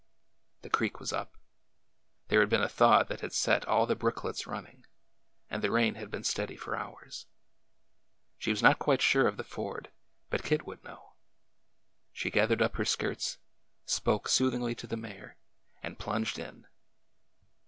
The creek was up. There had been a thaw that had set all the brooklets running, and the rain had been steady for hours. She was not quite sure of the ford, but Kit would know. She gathered up her skirts, spoke sooth ingly to the mare, and plunged in.